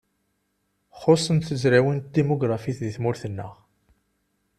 Xuṣṣent tezrawin n tedimugrafit deg tmurt-nneɣ.